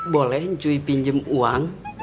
boleh cuy pinjem uang